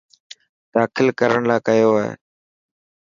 داخل ڪرڻ لاءِ ڪيو هي.